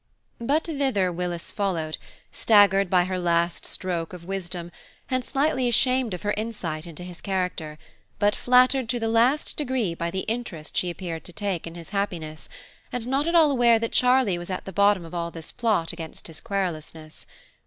But thither Willis followed, staggered by her last stroke of wisdom, and slightly ashamed of her insight into his character, but flattered to the last degree by the interest she appeared to take in his happiness, and not at all aware that Charlie was at the bottom of all this plot against his querulousness.